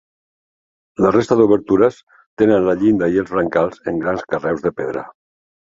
La resta d'obertures tenen la llinda i els brancals en grans carreus de pedra.